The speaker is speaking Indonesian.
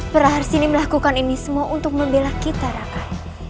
peraharsin ini melakukan ini semua untuk membela kita rakah